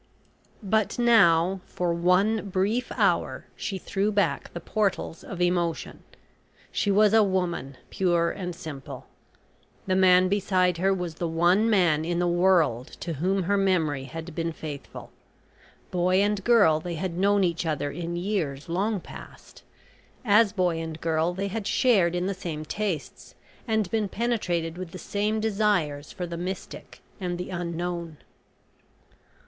But now, for one brief hour she threw back the portals of emotion. She was a woman, pure and simple. The man beside her was the one man in the world to whom her memory had been faithful. Boy and girl they had known each other in years long past. As boy and girl they had shared in the same tastes, and been penetrated with the same desires for the Mystic and the Unknown.